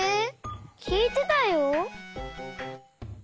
きいてたよ！